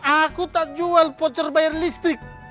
aku tak jual pocor bayar listrik